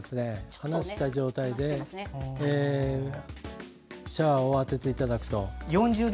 離した状態でシャワーを当てていただくと。